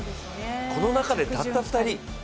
この中でたった２人。